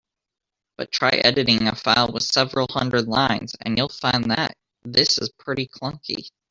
But try editing a file with several hundred lines, and you'll find that this is pretty clunky.